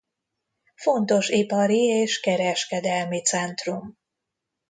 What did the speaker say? Fontos ipari és kereskedelmi centrum.